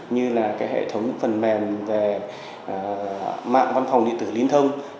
như là cái hệ thống phần mềm về mạng văn phòng điện tử liên thông